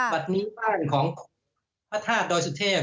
วันนี้บ้านของพระธาตุโดยสุเทพฯ